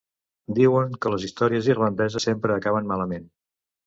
Diuen que les històries irlandeses sempre acaben malament.